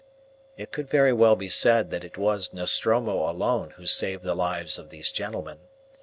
It could very well be said that it was Nostromo alone who saved the lives of these gentlemen.